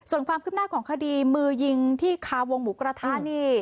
ส่วนความคืบหน้าของคดีมือยิงที่คาวงหมูกระทะนี่